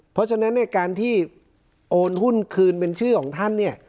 เพราะฉะนั้นเนี่ยการที่โอนหุ้นคืนเป็นชื่อของท่านเนี่ย